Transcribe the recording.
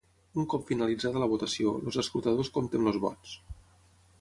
Un cop finalitzada la votació, els escrutadors compten els vots.